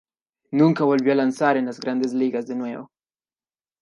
Nunca volvió a lanzar en las grandes ligas de nuevo.